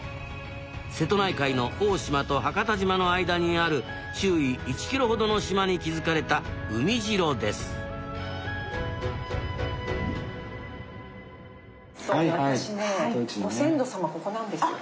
瀬戸内海の大島と伯方島の間にある周囲１ｋｍほどの島に築かれた海城ですそうなんですか？